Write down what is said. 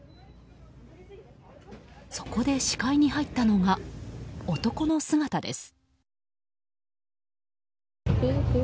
そこで、視界に入ったのが男の姿です。